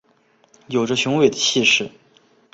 有著雄伟的气势